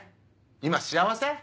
今幸せ？